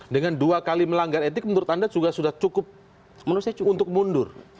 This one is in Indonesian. dengan dua kali melanggar etik menurut anda juga sudah cukup menurut saya untuk mundur